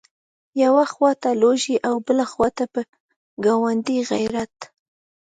یوې خواته لوږه او بلې خواته په ګاونډي غیرت.